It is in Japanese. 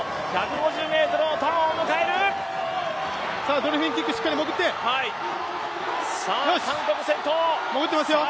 ドルフィンキック、しっかり潜って、よし！